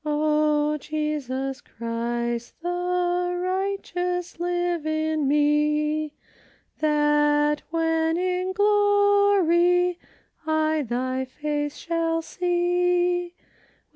" O Jesus Christ the righteous ! live in me, That, when in glory I thy face shall see.